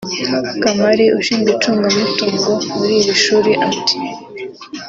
Kamali ushinzwe icunga mutungo muri iri shuri ati